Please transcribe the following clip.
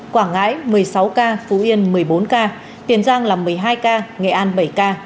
quảng ngãi một mươi sáu ca phú yên một mươi bốn ca tiền giang là một mươi hai ca nghệ an bảy ca